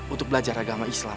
untuk belajar agama islam